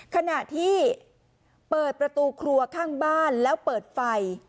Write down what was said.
ขณะที่เปิดประตูครัวข้างบ้านแล้วเปิดไฟ